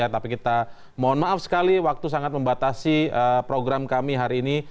tapi kita mohon maaf sekali waktu sangat membatasi program kami hari ini